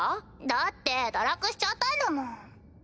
だって堕落しちゃったんだもん。